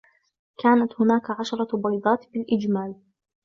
كانت هناك عشرة بيضات بالإجمال.